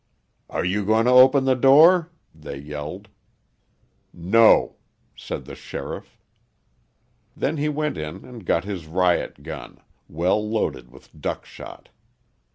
"Are you going to open the door?" they yelled. "No!" said the sheriff. Then he went in and got his riot gun, well loaded with duck shot.